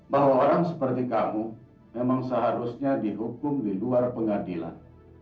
bahwa orang seperti kamu memang seharusnya dihukum di luar pengadilan